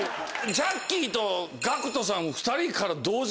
ジャッキーとＧＡＣＫＴさん２人から。